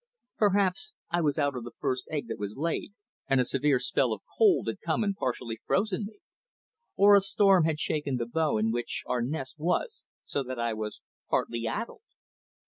Perhaps I was out of the first egg that was laid, and a severe spell of cold had come and partially frozen me; or a storm had shaken the bough in which our nest was, so that I was partly "addled."